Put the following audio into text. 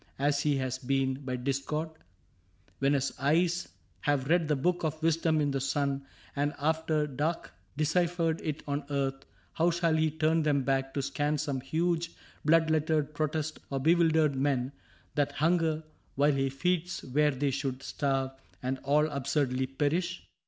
As he has been, by discord ? When his eyes Have read the book of wisdom in the sun. And after dark deciphered it on earth. How shall he turn them back to scan some huge Blood lettered protest of bewildered men That hunger while he feeds where they should starve And all absurdly perish